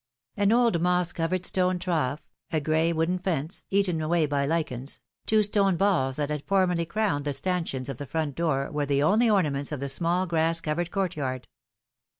An old moss covered stone trough, a gray wooden fence, eaten away by lichens, two stone balls that had formerly crowned the stanchions of the front door, were the only ^ornaments of the small grass covered court yanl.